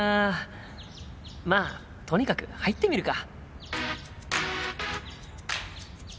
まあとにかく入ってみるか。